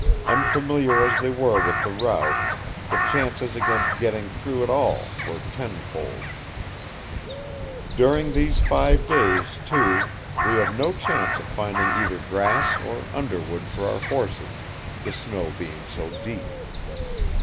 Unfamiliar as they were with the route, the chances against getting through at all were tenfold. "During these five days, too, we have no chance of finding either grass or underwood for our horses, the snow being so deep.